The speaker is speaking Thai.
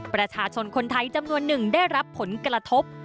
ประชาชนคนไทยจำนวนหนึ่งได้รับผลกระทบ